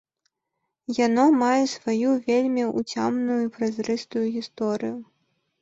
Яно мае сваю вельмі ўцямную празрыстую гісторыю.